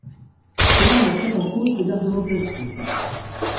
Cela remettrait en cause l’hébergement directif.